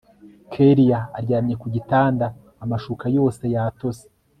kellia aryamye kugitanga amashuka yose yatose